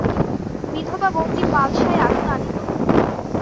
বিধবা বৌটি মালসায় আগুন আনিল।